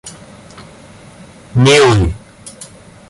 милый